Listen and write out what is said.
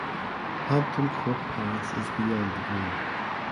Hampton Court Palace is beyond the Green.